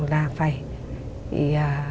là phải thì